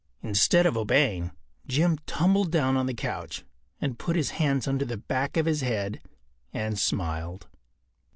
” Instead of obeying, Jim tumbled down on the couch and put his hands under the back of his head and smiled.